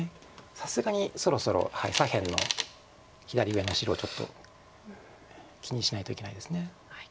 さすがにそろそろ左辺の左上の白をちょっと気にしないといけないです。